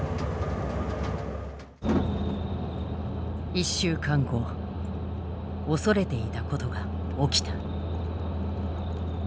１週間後恐れていたことが起きた。